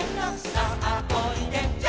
「さあおいで」